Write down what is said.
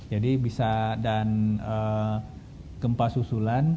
jadi bisa dan gempa susulan